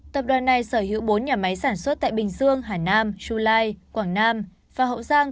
tập đoàn này sở hữu bốn nhà máy sản xuất tại bình dương hà nam chu lai quảng nam và hậu giang